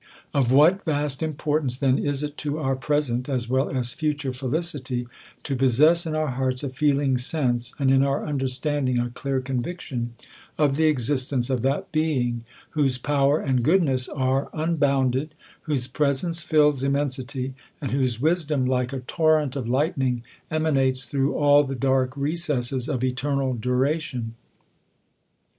Of what vast importance then is it to our present as well as future felicity, to possess in our hearts a feeling sense, and in our understanding a clear conviction, of the existence of that Being whose power and goodness are unbounded, whose presence fills immensity, and whose wisdom, like a torrent of lightning, emanates ^ through all the dark recesses of eternal duration